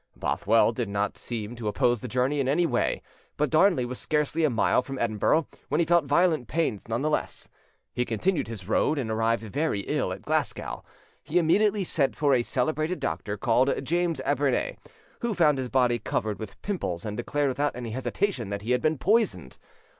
Bothwell did not seem to oppose the journey in any way; but Darnley was scarcely a mile from Edinburgh when he felt violent pains none the less, he continued his road, and arrived very ill at Glasgow. He immediately sent for a celebrated doctor, called James Abrenets, who found his body covered with pimples, and declared without any hesitation that he had been poisoned.